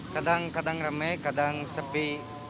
kadang kadang ramai kadang sepi